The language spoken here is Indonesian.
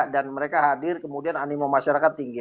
dan mereka hadir kemudian animo masyarakat tinggi